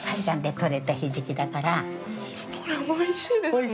これおいしいですね。